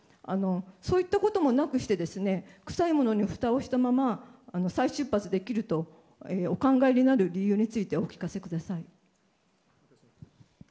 そういったこともなくして臭いものにふたをしたまま再出発できるとお考えになる理由についてお聞かせください。